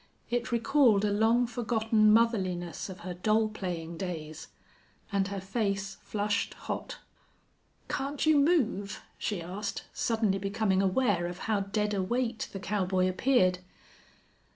It recalled a long forgotten motherliness of her doll playing days. And her face flushed hot. "Can't you move?" she asked, suddenly becoming aware of how dead a weight the cowboy appeared.